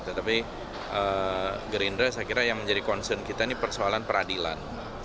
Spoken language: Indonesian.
tetapi gerindra saya kira yang menjadi concern kita ini persoalan peradilan